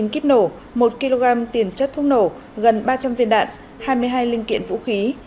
một mươi kíp nổ một kg tiền chất thuốc nổ gần ba trăm linh viên đạn hai mươi hai linh kiện vũ khí